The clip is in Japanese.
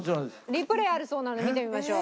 リプレーあるそうなので見てみましょう。